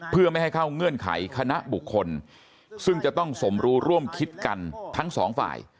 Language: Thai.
เพื่อไม่ให้เข้าเงื่อนไขคณะบุคคลซึ่งจะต้องสมรู้ร่วมคิดกันทั้งสองฝ่าย